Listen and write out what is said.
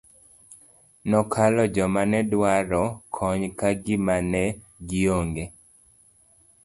Nokalo joma ne dwaro kony ka gima ne gi ong'e.